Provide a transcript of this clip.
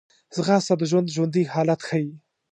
ځغاسته د ژوند ژوندي حالت ښيي